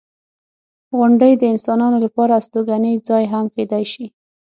• غونډۍ د انسانانو لپاره د استوګنې ځای هم کیدای شي.